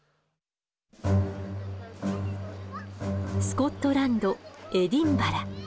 スコットランドエディンバラ。